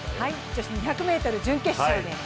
女子２００ｍ準決勝です。